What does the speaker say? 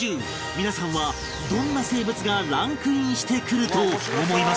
皆さんはどんな生物がランクインしてくると思いますか？